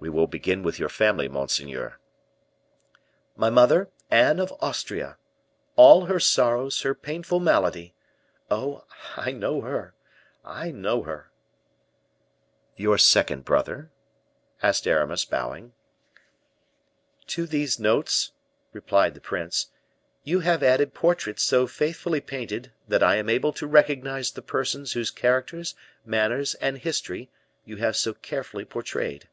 "We will begin with your family, monseigneur." "My mother, Anne of Austria! all her sorrows, her painful malady. Oh! I know her I know her." "Your second brother?" asked Aramis, bowing. "To these notes," replied the prince, "you have added portraits so faithfully painted, that I am able to recognize the persons whose characters, manners, and history you have so carefully portrayed.